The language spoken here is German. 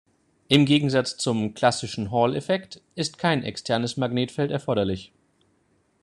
Im Gegensatz zum klassischen Hall-Effekt ist kein externes Magnetfeld erforderlich.